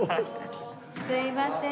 すいません。